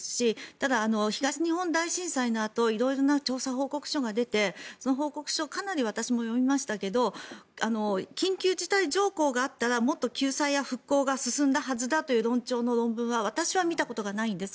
ただ、東日本大震災のあと色々な調査報告書が出てその報告書をかなり私も読みましたけど緊急事態条項があったらもっと救済や復興が進んだはずだという論調の論文は私は見たことがないんです。